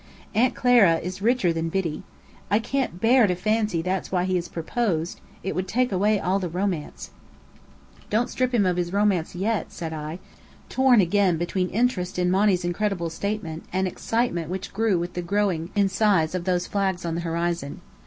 Aunt Clara is richer than Biddy. I can't bear to fancy that's why he has proposed; it would take away all the romance" "Don't strip him of his romance yet," said I, again torn between interest in Monny's incredible statement, and excitement which grew with the growing in size of those flags on the horizon.